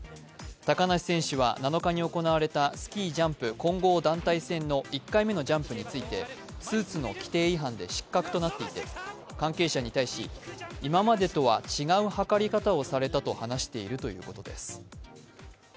高梨選手は７日に行われたスキージャンプ混合団体戦の１回目のジャンプについて、スーツの規定違反で失格となっていて、関係者に対し、今までとは違う測り方をされたと話しているということです。